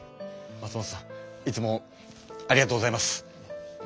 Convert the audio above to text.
松本さんいつもありがとうございます。